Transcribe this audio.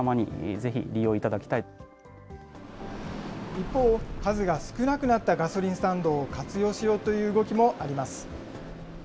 一方、数が少なくなったガソリンスタンドを活用しようという動きもあります。